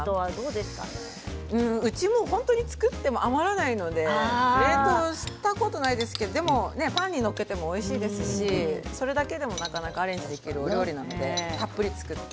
うちも本当に作っても余らないので冷凍したことがないんですけどパンに載せてもおいしいですしそれだけでもアレンジできるお料理なのでたっぷり作って。